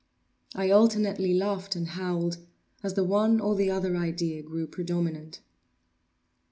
I alternately laughed and howled as the one or the other idea grew predominant.